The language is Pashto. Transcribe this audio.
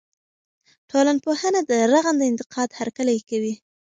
ټولنپوهنه د رغنده انتقاد هرکلی کوي.